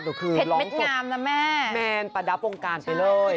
เผ็ดเม็ดงามนะแม่แมนประดับวงการไปเลย